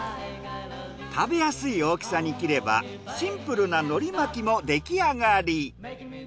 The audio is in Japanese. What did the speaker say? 食べやすい大きさに切ればシンプルなのり巻きも出来上がり。